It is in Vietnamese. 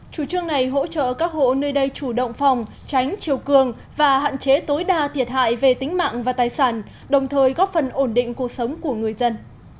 chủ trương này hỗ trợ các hộ nơi đây chủ động phòng tránh chiều cường và hạn chế tối đa thiệt hại về tính mạng và tài sản đồng thời góp phần ổn định cuộc sống của người dân